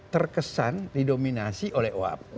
terkesan didominasi oleh oap